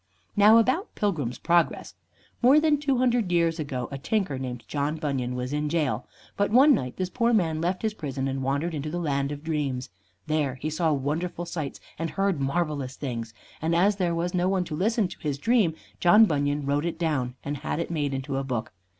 Now about "Pilgrim's Progress." More than two hundred years ago a tinker named John Bunyan was in jail, but one night this poor man left his prison and wandered into the land of dreams. There he saw wonderful sights and heard marvelous things, and as there was no one to listen to his dream, John Bunyan wrote it down, and had it made into a book.